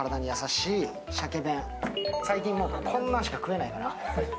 最近、こんなんしか食えないから。